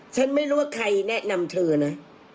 ฉันไม่รู้ว่าใครแนะนำเธอนะ